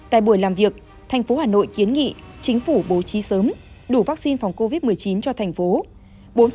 tại buổi làm việc thành phố hà nội kiến nghị chính phủ bố trí sớm đủ vaccine phòng covid một mươi chín cho thành phố